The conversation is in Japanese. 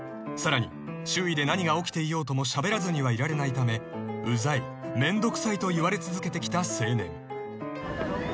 ［さらに周囲で何が起きていようともしゃべらずにはいられないため「うざい」「めんどくさい」と言われ続けてきた青年］